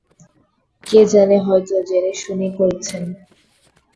কে জানে হয়তো জেনেশুনেই করছেন।